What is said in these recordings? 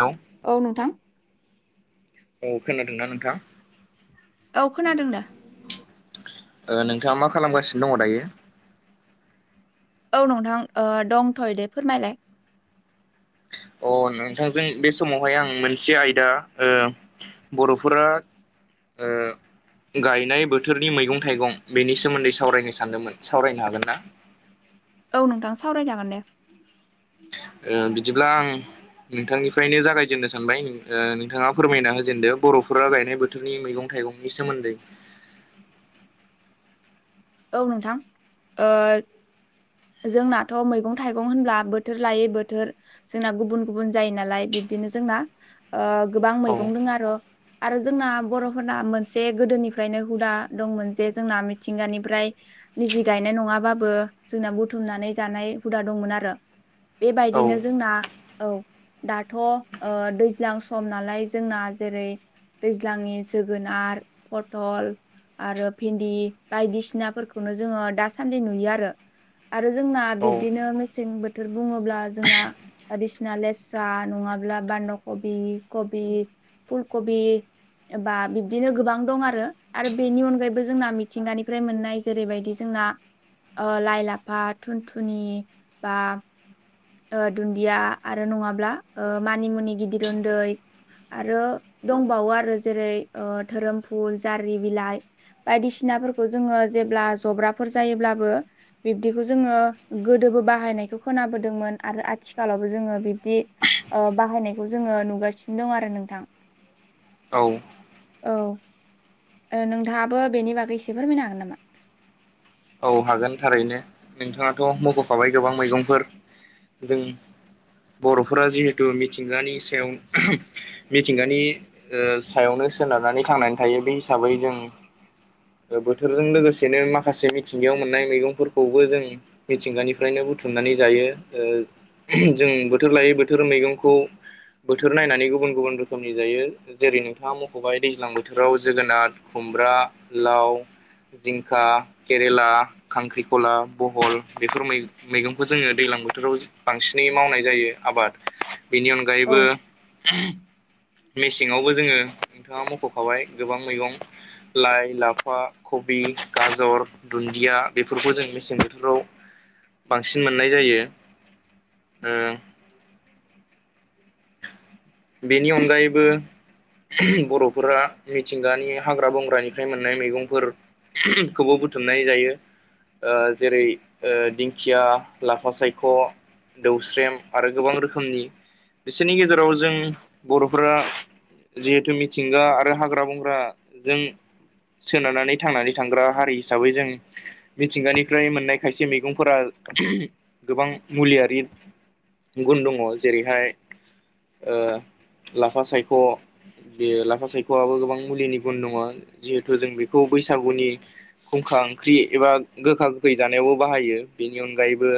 Hello औ नोंथां औ खोनादोंना नोंथां औ खोनादों दा ओ नोंथाङा मा खालामगासिनो दङ दायो औ नोंथां दंथयो दे फोरमायलाय अ नोंथांजों बे समावहाय आं मोनसे आयदा बर'फोरा ओ गायनाय बोथोरनि मैगं थाइगं बेनि सोमोन्दै सावरायनो सानदोंमोन सावरायनो हागोन ना औ नोंथां सावरायजागोन दे ओ बिदिब्ला आं नोंथांनिफ्रायनो जागायजेननो सानबाय नोंथाङा फोरमायना होजेनदो बर'फोरा गायनाय बो थोरनि मैगं थाइगंनि सोमोन्दै औ नोंथां ओ जोंनाथ' मैगं थाइगं होनब्ला बोथोर लायै बोथोर जोंना गुबुन गुबुन जायो नालाय बिब्दिनो जोंना गोबां औ मैगं दङ आरो' आरो जोंना बर'फोरना मोनसे गोदोनिफ्रायनो हुदा दंमोन जे जोंना मिथिंगानि ओमफ्राय निजे गायनाय नङाबाबो जोंना बुथुमनानै जानाय हुदा दंमोन आरो औ बेबायदिनो जोंना औ दाथ' दैज्लां सम नालाय जोंना जेरै दैज्लांनि जोगोनार फथल आरो भिन्दि बायदिसि सिनाफोरखौनो जोङो दासान्दि नुयो आरो आरो जोंना औ बिब्दिनो मेसें बो थोर बुङोब्ला जोंना बायदिसिना लेस्रा नङाब्ला बान्द कबि कबि फुलकबि एबा बिबदिनो गोबां दं आरो आरो बेनि अनगायैबो जोंना मिथिंगानिफ्राय मोननाय जेरैबायदि जोंना लाइ लाफा थुनथुनि बा दुन्दिया आरो नङाब्ला मानिमुनि गिदिर उन्दै आरो दंबावो आरो जेरै धोरोम फुल जारि बिलाइ बायदिसिनाफोरखौ जोङो जेब्ला जब्राफोर जायोब्लाबो बिब्दिखौ जोङो गोदोबो बाहायनायखौ खोनाबो दोंमोन आरो आथिखालावबो जोङो बिबदि बाहायनायखौ जोङो नुगासिनो दं आरो नोंथां औ औ नोंथाङाबो बेनि बागै एसे फोरमायनो हागोन नामा औ हागोन थारैनो नोंथाङाथ' मख'खाबाय गोबां मैगंफोर जों बर'फोरा जिहेथु मिथिंगानि सायाव मिथिंगानि सायावनो सोनारनानै थांनानै थायो बे हिसाबै जों बोथोरजों लोगोसेनो माखासे मिथिंगायाव मोननाय मैगंफोरखौबो जों मिथिंगानिफ्रायनो बुथुमनानै जायो जों बोथोर लायै बोथोर मैगंखौ बोथोर नायनानै गुबुन गुबुन रोखोमनि जायो जेरै नोंथाङा मख'बाय दैज्लां बोथोराव जोगोनार खुमब्रा लाव जिंखा केरेला खांख्रिख'ला बहल बेफोर मै मैगंखौ जोङो दैलां बोथोराव बांसिनै मावनाय जायो आबाद बेनि अनगायै औ अनगायैबो मेसेङावबो जोङो नोंथाङा मख'खाबाय गोबां मैगं लाइ लाफा खबि गाजर दुन्दिया बेफोरखौ जों मेसें बोथोराव बांसिन मोननाय जायो। उम। बेनि अनगायैबो बर'फोरा मिथिंगानि हाग्रा बंग्रानिफ्राय मोननाय मैगंफोर खौबो बुथुमनानै जायो। ओ जेरै दिंखिया लाफा सायख' दौस्रेम आरो गोबां रोखोमनि बिसोरनि गेजेराव जों बर'फोरा जिहेथु मिथिंगा आरो हाग्रा बंग्राजों सोनारनानै थांनानै थांग्रा हारि हिसाबै जों मिथिंगानिफ्राय मोननाय खायसे मैगंफोरा गोबां मुलियारि गुन दङ जेरैहाय ओ लाफा सायख' बे लाफा सायख'आबो गोबां मुलिनि गुन दङ जिहेथु जों बेखौ बैसागुनि खुंखा ओंख्रि एबा गोखा गोखै जानायावबो बाहायो बेनि अनगायैबो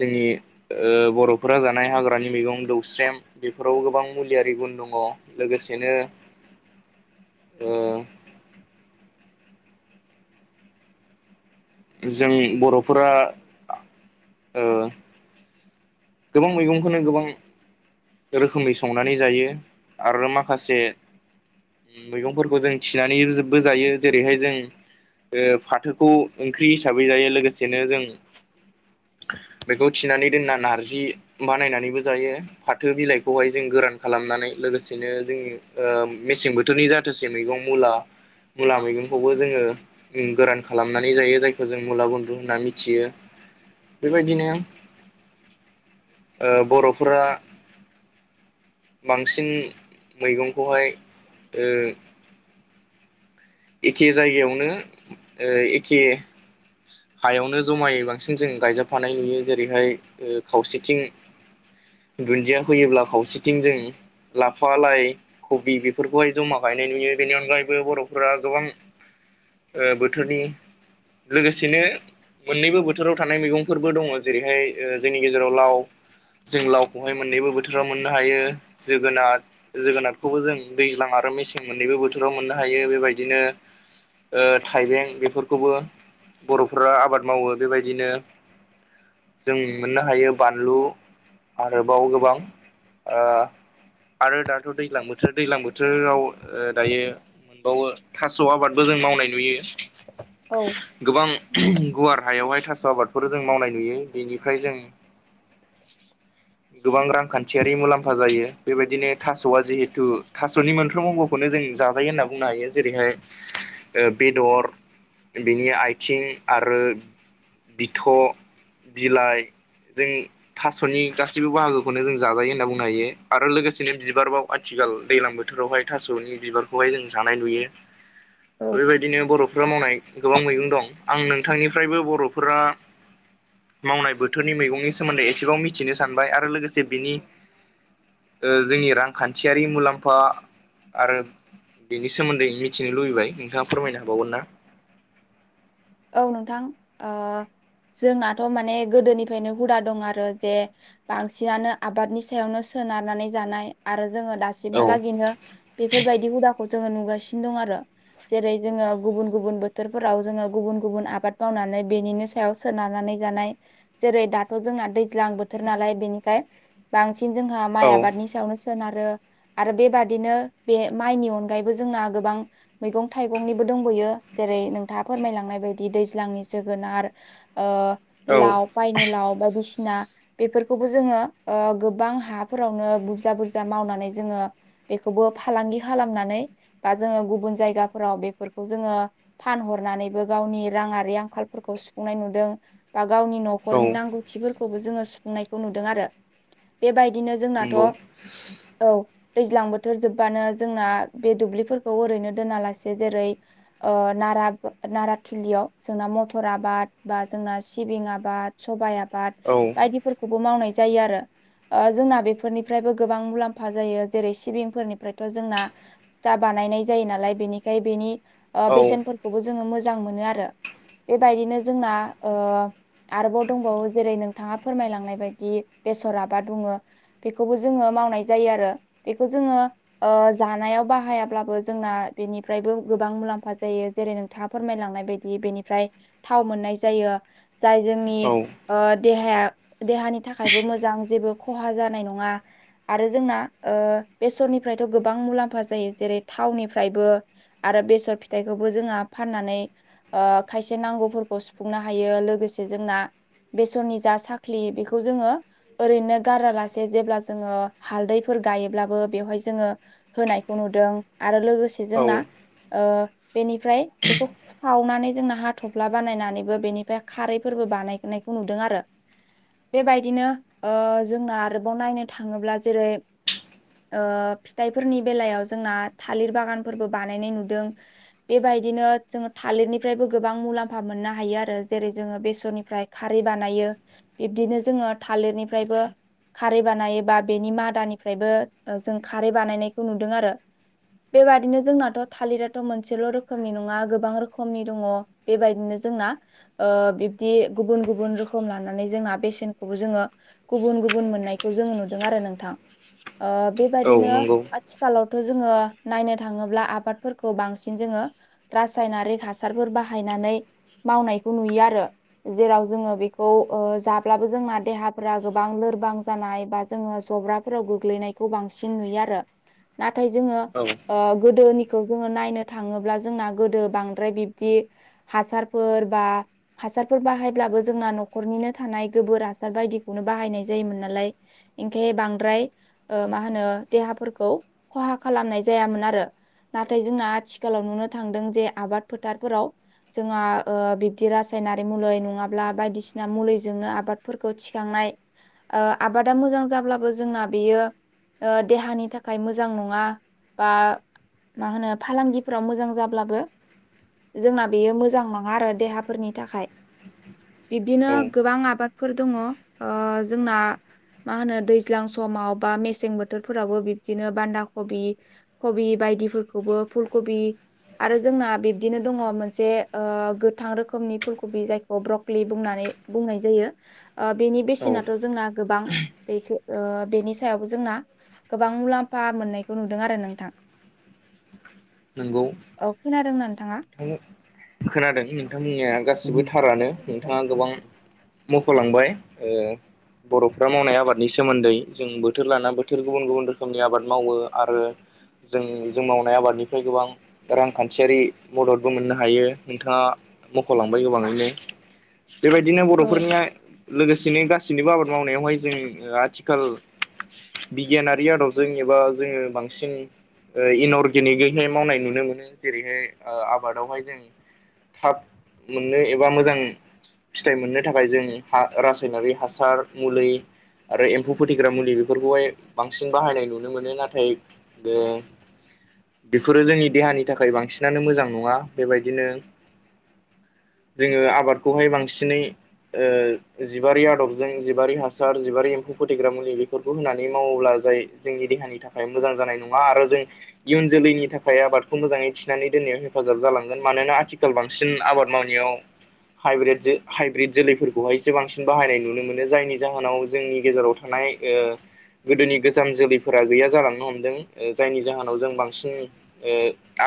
जोंनि बर'फोरा जानाय हाग्रानि मैगं दौस्रेम बेफोराव गोबां मुलियारि गुन दङ लोगोसेनो ओ जों बर'फोरा ओ गोबां मैगंखौनो गोबां रोखोमै संनानै जायो आरो माखासे मैगंफोरखौ जों थिनानैबो जायो जेरैहाय जों फाथोखौ ओंख्रि हिसाबै जायो लोगोसेनो जों बेखौ थिनानै दोनना नारजि बानायनानैबो जायो। फाथो बिलाइखौहाय जों गोरान खालामनानै लोगोसेनो जोंनि मेसें बोथोरनि जाथोसेै मैगं मुला मुला मैगंखौबो जोङो गोरान खालामनानै जायो जायखौ जों मुला बन्दु होनना मिथियो बेबायदिनो ओ बर'फोरा बांसिन मैगंखौहाय ओ एखे जायगायावनो एखे हायावनो जमायै बांसिन जों गायजाबफानाय नुयो जेरैहाय खावसेथिं दुन्दिया फैयोब्ला खावसेथिं जों लाफा लाइ खबि बेफोरखौहाय जमा गायनाय नुयो बेनि अनगायैबो बर' फोरा गोबां बोथोरनि लोगोसेनो मोननैबो बोथोराव थानाय मैगंफोरबो दङ जेरैहाय जोंनि गेजेराव लाव जों लावखौहाय मोननैबो बोथोराव मोननो हायो जोगोनार जोगोनारखौबो जों दैज्लां आरो मेसें मोननैबो बोथोराव मोननो हायो बेबायदिनो थाइबें बेफोरखौबो बर'फोरा आबाद मावो बेबायदिनो जों मोननो हायो बानलु आरोबाव गोबां ओ आरो दाथ' दैज्लां बोथोर दैज्लां बोथोराव दायो बेावो थास' आबादबो जों मावनाय नुयो। औ। गोबां गुवार हायावहाय थास' आबादफोर जों मावनाय नुयो बेनिफ्राय जों गोबां रांखान्थियारि मुलाम्फा जायो बेबायदिनो थास'आ जिहेथु थास'नि मोनफ्रोमावबो बेखौनो जों जाजायो होन्ना बुंनो हायो जेरैहाय बेदर बिनि आइथिं आरो बिथ' बिलाइ जों थास'नि गासैबो बाहागोखौनो जों जाजायो होनना बुंनो हायो आरो लोगोसेनो बिबार बाव आथिखाल दैलां बोथोरावहाय थास'नि बिबारखौहाय जों जानाय नुयो औ बेबायद दिनो बर'फोरा मावनाय गोबां मैगं दं आं नोंथांनिफ्रायबो बर'फोरा मावनाय बोथोरनि मैगंनि सोमोन्दै एसेबाव मिथिनो सानबाय आरो लोगोसे बिनि ओ जोंनि रांखान्थियारि मुलाम्फा आरो बिनि सोमोन्दै मिथिनो लुबैबाय नोंथाङा फोरमायनो हाबावगोन ना औ नोंथां आ जोंनाथ' माने गोदोनिफायनो हुदा दं आरो जे बांसिनानो आबादनि सायावनो सोनारनानै जानाय आरो जोङो औ दासिमहालागेनो बेफोरबायदि हुदाखौ जोङो नुगासिनो दं आरो जेरै जोङो गुबुन गुबुन बोथोरफोराव जोङो गुबुन गुबुन आबाद मावनानै बेनिनि सायाव सोनारनानै जानाय जेरै दाथ' जोंना दैज्लां बोथोर नालाय बेनिखाय बांसिन जोंहा औ माइ आबादनि सा [unintelligible] सोनारो आरो बेबादिनो बे माइनि अनगायैबो जोंना गोबां मैगं थाइगंनिबो दंबोयो जेरै नोंथाङा फोरमायलांनाय बाय दि दैज्लांनि जोगोनार ओ औ लाव पायनि लाव बायदिसिना बेफोरखौबो जोङो ओ गोबां हाफोरावनो बुरजा बुरजा मावनानै जोङो बेखौबो फालांगि खालामनानै बा जोङो गुबुन जायगाफोराव बेफोरखौ जोङो फानहरनानैबो गावनि राङारि आंखालफोरखौ सुफुंनाय नुदों बा गावनि औ न'खरनि नांगौ थिफोरखौबो जोङो सुफुंनायखौ नुदों आरो बेबायदिनो जोंनाथ' नंगौ औ दैज्लां बोथोर जोब्बानो जोंना बे दुब्लिफोरखौ ओरैनो दोनालासे जेरै ओ नारा नाराथिलियाव जोंना मथर आबाद बा जोंना सिबिं आबाद सबाइ आबाद औ बायदि फोरखौबो मावनाय जायो आरो ओ जोंना बेफोरनिफ्रायबो गोबां मुलाम्फा जायो जेरै सिबिंफोरनिफ्रायथ' जोंना सिथा बानायनाय जायो नालाय बेनिखाय बेनि आ औ बेसेनफोरखौबो जोङो मोजां मोनो आरो बेबायदिनो जोंना आरोबाव दंबावो जेरै नों बिथाङा फोरमायलांनाय बायदि बेसर आाबा बुङो बेखौबो जोङो मावनाय जायो आरो बेखौ जोङो ओ जानायाव बाहायाब्लाबो जोंना बिनिफ्रायबो गोबां मुलाम्फा जायो जेरै नोंथाङा फोरमायलांनाय बाय बि बिनिफ्राय थाव मोननाय जायो जाय जोंनि औ ओ देहाया देहानि थाखायबो मोजां जेबो खहा जानाय नङा आरो जोंना ओ बेसरनिफ्रायथ' गोबां मुलाम्फा जायो जेरै थावनिफ्रायबो आरो बेसर फिथाइखोबो जोंहा फाननानै ओ खायसे नांगौफोरखौ सुफुंनो हायो लोगोसे जोंना बेसरनि जा साख्लि बेखौ जोङो ओरैनो गारालासे जेब्ला जोङो हालदैफोर गायोब्लाबो बेवहाय जोङो होनायखौ नुदों आरो लोगोसे जोंना औ ओ बेनिफ्राय बेखौ सावनानै जोंना हाथफ्ला बानायनानैबो बेनिफ्राय खारैफोरबो बानायनायखौ नुदों आरो बेबायदिनो ओ जोंना आरोबाव नायनो थाङोब्ला जेरै ओ फिथाइफोरनि बेलायाव जोंना थालिर बागानफोरबो बानायनाय नुदों बेबायदिनो जोङो थालिरनिफ्रायबो गोबां मुलाम्फा मोननो हायो आरो जेरै जोङो बेसरनिफ्राय खारै बानायो बिब्दिनो जोङो थालिरनिफ्रायबो खारै बानायो बा बेनि मादानिफ्रायबो ओ जों खारै बानायनायखौ नुदों आरो। बेबादिनो जोंनाथ' थालिराथ' मोनसेल' रोखोमनि नङा गोबां रोखोम खमनि दङ बेबायदिनो जोंना ओ बिब्दि गुबुन गुबुन रोखोम लानानै जोंना बेसेनखौबो जोङो गुबुन गुबुन मोननायखौ जोङो नुदों आरो नोंथां। ओ औ बेबायदिनो नंगौ थिखालावथ' जोङो नायनो थाङोब्ला आबादफोरखौ बांसिन जोङो रासायनारिक हासारफोर बाहायनानै मावनायखौ नुयो आरो। जेराव जोङो बेखौ जाब्लाबो जोंना देहाफोरा गोबां लोरबां जानाय बा जोङो जब्रा फोराव गोग्लैनायखौ बांसिन नुयो आरो। नाथाय जोङो औ गोदोनिखौ जोङो नायनो थाङोब्ला जोंना गोदो बांद्राय बिब्दि हासारफोर बा हासारफोर बाहायब्लाबो जोंना न'खरनिनो थानाय गोबोर हासार बायदिखौनो बाहायनाय जायोमोन नालाय ओंखाय बांद्राय मा होनो देहाफोरखौ खहा खालामनाय जायामोन आरो। नाथाय जोंना आथिखालाव नुनो थांदों जे आबाद फोथारफोराव जोंहा बिब्दि रासायनारि मुलै नङाब्ला बायदिसिना मुलैजोंनो आबादफोरखौ थिखांनाय ओ आबादा मोजां जाब्लाबो जोंना बेयो देहानि थाखाय मोजां नङा बा मा होनो फालांगिफोराव मोजां जाब्लाबो जोंना बेयो मोजां नङा आरो देहाफोरनि थाखाय। बिब्दिनो औ गोबां आबादफोर दङ, जोंना मा होनो दैज्लां समाव बा मेसें बोथोरफोरावबो बिब्दिनो बान्दा कबि कबि बायदिफोरखौबो फुल कबि आरो जोंना बे बिदिनो दङ मोनसे गोथां रोखोमनि फुलकबि जायखौ ब्रकलि बुंनानै बुंनाय जायो। ओ बेनि औ बेसेनाथ' जोंना गोबां बेखौ बेनि सायावबो जोंना गोबां मुलाम्फा मोननायखौ नुदों आरो नोंथां। [unintelligible] नंगौ औ खोनादों ना? खोनादों नोंथां बुंनाया गासिबो थारानो नोंथाङा गोबां मख'लांबाय बर'फ्रा मावनाय आबादनि सोमोन्दै जों बोथोर लाना बोथोर गुबुन गुबुन रोखोमनि आबाद मावो आरो जों जों मावनाय आबादनि गोबां रांखान्थियारि मददबो मोननो हायो, नोंथाङा मख'लांबाय गोबाङैनो, बेबायदिनो औ बर'फोरनिया लोगोसेनो गासैनिबो आबाद मावनायावहाय जों आथिखाल बिगियानारि आदबजों एबा जोङो बांसिन इन अर्गेनिक मावनाय नुनो मोनो, जेरैहाय आबादावहाय जों थाब मोननो एबा मोजां फिथाइ मोननो थाखाय जों हा रासायनारि हासार मुलै आरो एम्फौ फोथैग्रा मुलि बेफोरखौहाय बांसिन बाहायनाय नुनो मोनो। नाथाय बेफोरो जोंनि देहानि थाखाय बांसिनानो मोजां नङा। बेबायदिनो जोङो आबादखौहाय बांसिनै जिबारि आदबजों जिबारि हासार जिबारि एम्फौ फोथैग्रा मुलि बेफोरखौ होनानै मावोब्ला जाय जोंनि देहानि थाखाय मोजां जानाय नङा आरो जों इयुन जोलैनि थाखाय आबादखौ मोजाङै थिनानै दोननायाव हेफाजाब जालांगोन मानोना आथिखाल बांसिन आबाद मावनायाव हाइब्रेद हाइब्रिद जोलैफोरखौहायसो बांसिन बाहायनाय नुनो मोनो जायनि जाहोनाव जोंनि गेजेराव थानाय गोदोनि गोजाम जोलैफोरा गैया जालांनो हमदों जायनि जाहोनाव जों बां सिन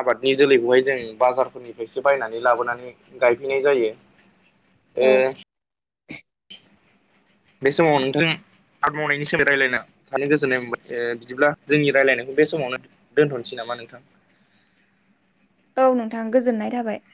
आबादनि जोलैखौहाय जों बाजारफोरनिफ्रायसो बायनानै लाबोनानै गायफैनाय जायो औ बे समाव नोंथां आबाद मावनायनि सोमोन्दै रायलायना थानो गोजोननाय मोनबाय बिदिब्ला जोंनि रायलायनायखौ बे समावनो दोनथ'नोसै नामा नोंथां? औ नोंथां गोजोननाय थाबाय।